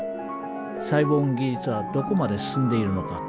サイボーグ技術はどこまで進んでいるのか。